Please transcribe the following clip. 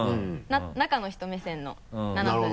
中の人目線の７分で。